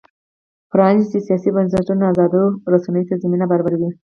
پرانیستي سیاسي بنسټونه ازادو رسنیو ته زمینه برابروي.